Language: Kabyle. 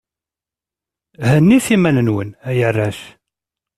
Hennit iman-nwen, ay arrac.